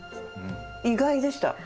意外でした。